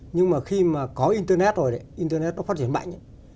nhưng mà khi mà có internet rồi internet nó phát triển mạnh